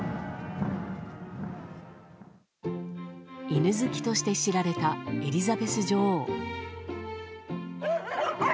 犬好きとして知られたエリザベス女王。